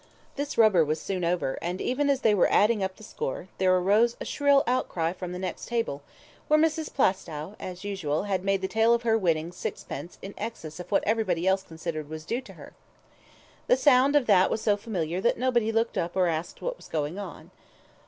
This rubber was soon over, and even as they were adding up the score, there arose a shrill outcry from the next table, where Mrs. Plaistow, as usual, had made the tale of her winnings sixpence in excess of what anybody else considered was due to her. The sound of that was so familiar that nobody looked up or asked what was going on.